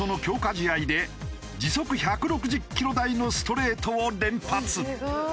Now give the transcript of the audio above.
試合で時速１６０キロ台のストレートを連発。